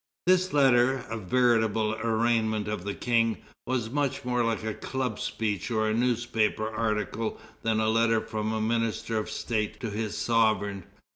This letter, a veritable arraignment of the King, was much more like a club speech or a newspaper article than a letter from a minister of state to his sovereign.